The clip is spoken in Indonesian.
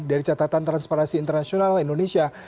dari catatan transparansi internasional indonesia